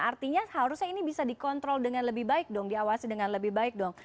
artinya seharusnya ini bisa dikontrol dengan lebih baik dong diawasi dengan lebih baik dong